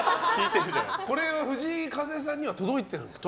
これは藤井風さんには届いてるんです。